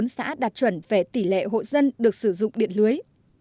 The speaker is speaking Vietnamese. một mươi bốn xã đạt chuẩn về tỷ lệ hộ dân được sử dụng điện lưới